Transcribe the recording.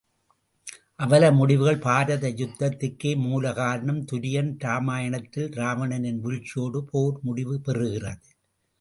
அவல முடிவுகள் பாரத யுத்தத்துககே மூல காரணம் துரியன் இராமாயணத்தில் இராவணனின் வீழ்ச்சியோடு போர் முடிவு பெறுகிறது.